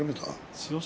千代翔